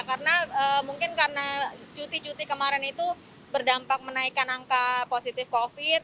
karena mungkin karena cuti cuti kemarin itu berdampak menaikkan angka positif covid